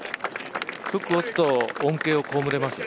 フックを打つと恩恵を被れます。